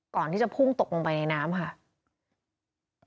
ก่อนที่จะพุ่งตกลงไปในน้ำค่ะ